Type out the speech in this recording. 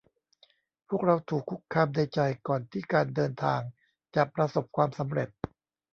พวกเราถูกคุกคามในใจก่อนที่การเดินทางจะประสบความสำเร็จ